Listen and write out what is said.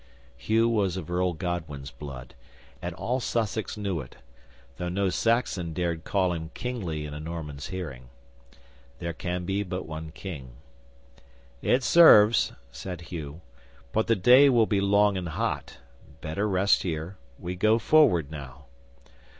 'Hugh was of Earl Godwin's blood, and all Sussex knew it, though no Saxon dared call him kingly in a Norman's hearing. There can be but one King. '"It serves," said Hugh. "But the day will be long and hot. Better rest here. We go forward now."